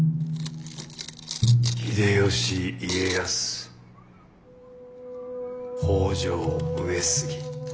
秀吉家康北条上杉